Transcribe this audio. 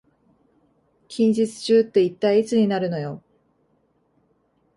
近日中って一体いつになるのよ